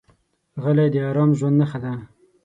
غلی، د ارام ژوند نښه ده.